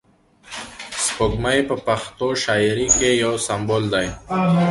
سپوږمۍ په پښتو شاعري کښي یو سمبول دئ.